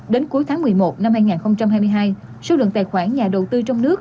đến cuối tháng một mươi một năm hai nghìn hai mươi hai số lượng tài khoản nhà đầu tư trong nước